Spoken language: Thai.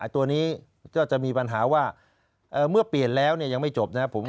ตัวนี้ก็จะมีปัญหาว่าเมื่อเปลี่ยนแล้วยังไม่จบนะครับ